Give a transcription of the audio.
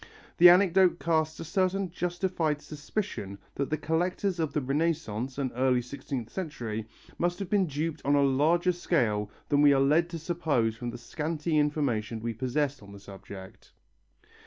The anecdote casts a certain justified suspicion that the collectors of the Renaissance and early sixteenth century must have been duped on a larger scale than we are led to suppose from the scanty information we possess on the subject.